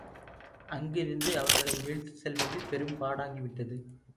அங்கிருந்து அவர்களை இழுத்துச் செல்வது பெரும் பாடாகிவிட்டது.